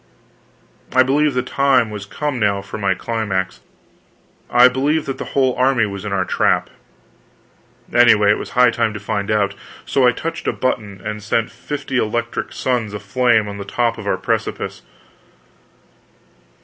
I believed the time was come now for my climax; I believed that that whole army was in our trap. Anyway, it was high time to find out. So I touched a button and set fifty electric suns aflame on the top of our precipice.